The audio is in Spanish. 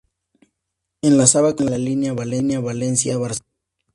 Enlazaba con la línea Valencia-Barcelona.